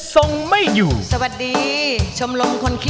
ก็ห้อนเหลือจอยหน้าแรงแห้งน้ำ